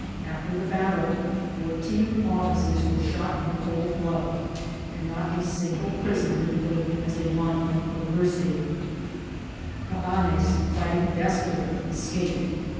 After the battle, fourteen officers were shot in cold blood, and not a single prisoner lived as a monument of mercy* Cabanes, fighting desperately, escaped.